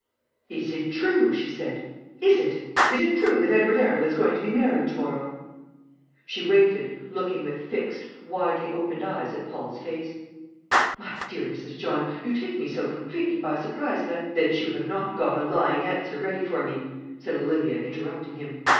"Is it true?" she said; "is it? Is it true that Edward Arundel is going to be married to morrow?" She waited, looking with fixed, widely opened eyes at Paul's face. "My dear Mrs. John, you take me so completely by surprise, that I " "That you have not got a lying answer ready for me," said Olivia, interrupting him.